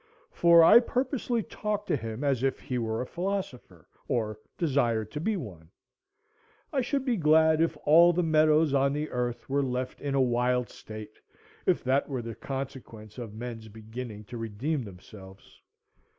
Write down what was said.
For I purposely talked to him as if he were a philosopher, or desired to be one. I should be glad if all the meadows on the earth were left in a wild state, if that were the consequence of men's beginning to redeem themselves.